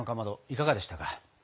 いかがでしたか？